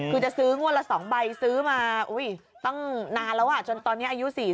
คือจะซื้องวดละ๒ใบซื้อมาตั้งนานแล้วจนตอนนี้อายุ๔๐